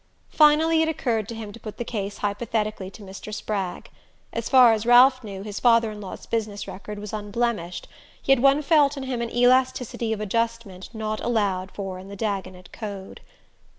Finally it occurred to him to put the case hypothetically to Mr. Spragg. As far as Ralph knew, his father in law's business record was unblemished; yet one felt in him an elasticity of adjustment not allowed for in the Dagonet code.